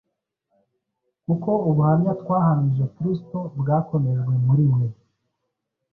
kuko ubuhamya twahamije Kristo bwakomejwe muri mwe;